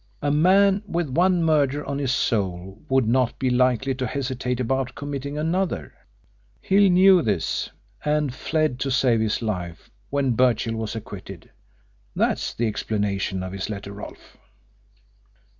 A man with one murder on his soul would not be likely to hesitate about committing another. Hill knew this, and fled to save his life when Birchill was acquitted. That's the explanation of his letter, Rolfe."